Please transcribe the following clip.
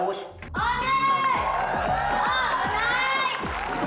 oh bosnya kicap itu